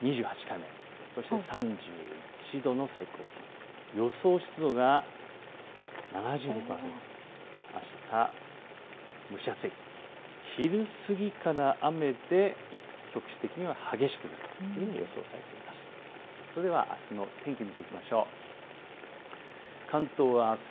最高気温が３１度、予想湿度が７２％、あしたは蒸し暑い昼過ぎから雨で局地的には激しく降るというふうに予想されています。